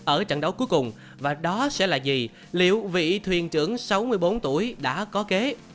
ở trận đấu cuối cùng và đó sẽ là gì liệu vị thuyền trưởng sáu mươi bốn tuổi đã có kế